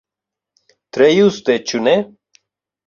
Tre juste, ĉu ne?